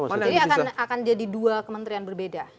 jadi akan jadi dua kementerian berbeda